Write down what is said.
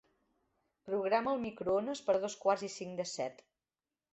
Programa el microones per a dos quarts i cinc de set.